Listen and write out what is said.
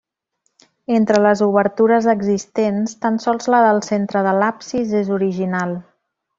Entre les obertures existents, tan sols la del centre de l'absis és original.